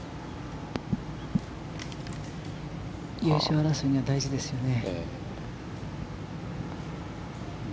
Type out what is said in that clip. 優勝争いには大事ですよね。